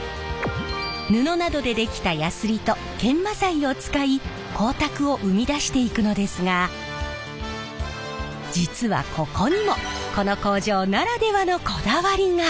布などで出来たヤスリと研磨剤を使い光沢を生み出していくのですが実はここにもこの工場ならではのこだわりが。